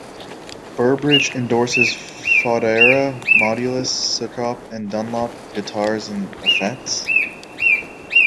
Burbridge endorses Fodera, Modulus, Sukop and Dunlop guitars and effects.